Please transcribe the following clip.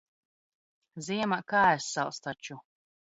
Ziemā kājas sals taču.